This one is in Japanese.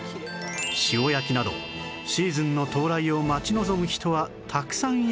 塩焼きなどシーズンの到来を待ち望む人はたくさんいる中